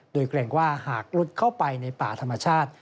โดยเกรงว่าหากลุดเข้าไปในป่าธรรมชาติ